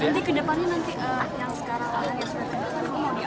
nanti ke depannya nanti yang sekarang anies berpikir